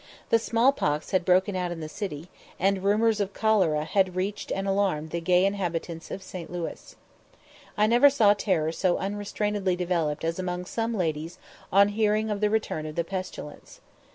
The small pox had broken out in the city, and rumours of cholera had reached and alarmed the gay inhabitants of St. Louis. I never saw terror so unrestrainedly developed as among some ladies on hearing of the return of the pestilence.